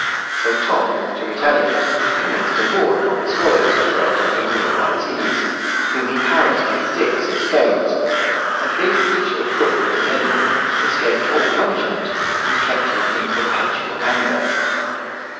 So Tom, to retaliate, commenced a war upon the swallows who dwelt under the wheelwright's eaves, whom he harassed with sticks and stones; and being fleeter of foot than his enemy, escaped all punishment, and kept him in perpetual anger.